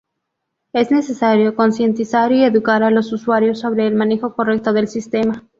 Es necesario concientizar y educar a los usuarios sobre el manejo correcto del sistema.